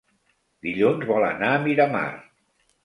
Dilluns vol anar a Miramar.